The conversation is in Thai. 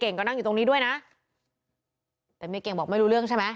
ก็นั่งอยู่ตรงนี้ด้วยนะแต่เมียเก่งบอกไม่รู้เรื่องใช่ไหม